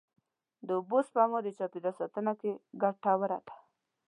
د اوبو سپما د چاپېریال ساتنې کې ګټوره ده.